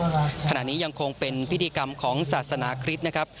ขณะนี้ยังคงเป็นพิธีกรรมของศาสนาคริสต์นะครับ